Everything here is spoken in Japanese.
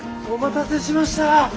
お待たせしました。